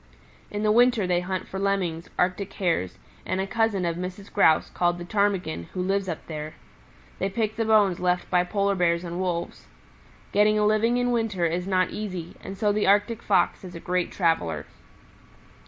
In the winter they hunt for Lemmings, Arctic Hares and a cousin of Mrs. Grouse called the Ptarmigan, who lives up there. They pick the bones left by Polar Bears and Wolves. Getting a living in winter is not easy, and so the Arctic Fox is a great traveler.